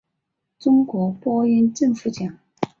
中国播音政府奖。